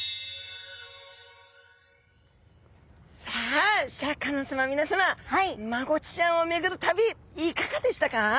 さあシャーク香音さま皆さまマゴチちゃんを巡る旅いかがでしたか？